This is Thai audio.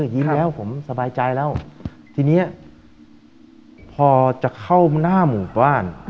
ยิงแล้วผมสบายใจแล้วทีนี้พอจะเข้าหน้าหมู่บ้าน